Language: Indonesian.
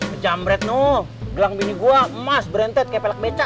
pecamret nuh gelang bini gue emas berentet kayak pelak meca